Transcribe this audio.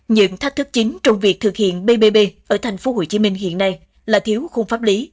những thách thức chính trong việc thực hiện bbb ở tp hcm hiện nay là thiếu khung pháp lý